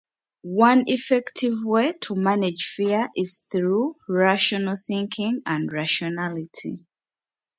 One effective way to manage fear is through rational thinking and rationality.